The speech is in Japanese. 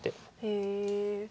へえ。